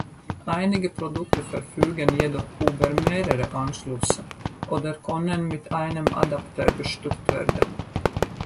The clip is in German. Einige Produkte verfügen jedoch über mehrere Anschlüsse oder können mit einem Adapter bestückt werden.